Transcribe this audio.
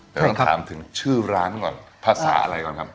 แต่ต้องถามถึงชื่อร้านก่อนภาษาอะไรก่อนครับ